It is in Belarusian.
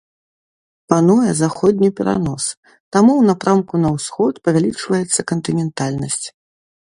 Пануе заходні перанос, таму ў напрамку на ўсход павялічваецца кантынентальнасць.